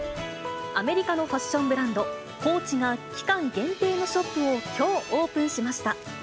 アメリカのファッションブランド、ＣＯＡＣＨが期間限定のショップをきょうオープンしました。